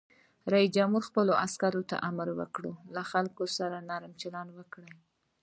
رئیس جمهور خپلو عسکرو ته امر وکړ؛ له خلکو سره نرم چلند وکړئ!